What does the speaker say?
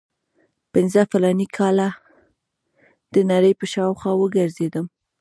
پنځه فلاني کاله د نړۍ په شاوخوا وګرځېدم.